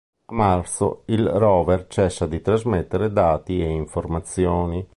A marzo il rover cessa di trasmettere dati e informazioni.